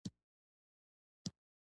ژبه د ادب بڼ ته ښکلا ورکوي